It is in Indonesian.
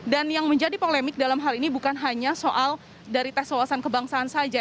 dan yang menjadi polemik dalam hal ini bukan hanya soal dari tes wawasan kebangsaan saja